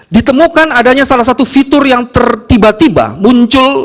ditemukan adanya salah satu fitur yang tertiba tiba tiba muncul